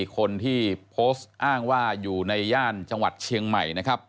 คนที่โพสต์อ้างว่าอยู่ในย่านจังหวัดเชียงใหม่นะครับ